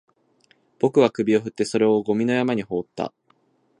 僕は首を振って、それをゴミの山に放った